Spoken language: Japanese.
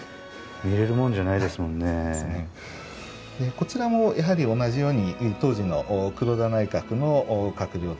こちらもやはり同じように当時の黒田内閣の閣僚たち。